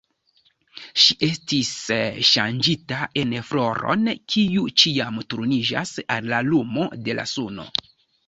Ŝi estis ŝanĝita en floron, kiu ĉiam turniĝas al la lumo de la suno.